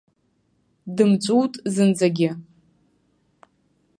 Дымҵәыут зынӡагьы.